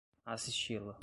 assisti-la